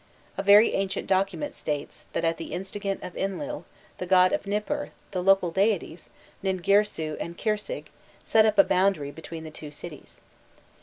A very ancient document states, that, at the instigation of Inlil, the god of Nipur, the local deities, Ningirsu and Kirsig, set up a boundary between the two cities.